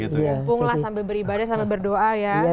lumpunglah sambil beribadah sambil berdoa ya susiati